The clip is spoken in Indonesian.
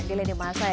di ledeng masa ya